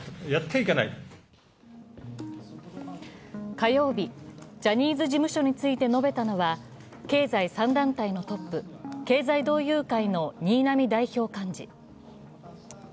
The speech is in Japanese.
火曜日、ジャニーズ事務所について述べたのは経済３団体のトップ、経済同友会の新浪代表幹事。